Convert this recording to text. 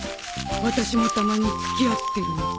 私もたまに付き合ってるんだ。